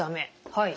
はい。